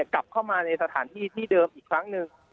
กลับเข้ามาในสถานที่ที่เดิมอีกครั้งหนึ่ง